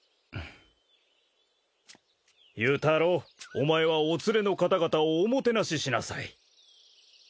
お前はお連れの方々をおもてなししなさい。